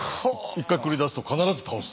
一回繰り出すと必ず倒す。